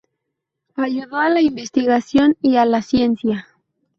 Ayudó a la investigación y la ciencia.